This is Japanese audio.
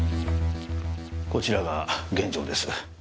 こちらが現場です。